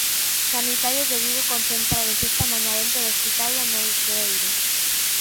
Sanitarios de Vigo concentráronse esta mañá diante do hospital do Meixoeiro.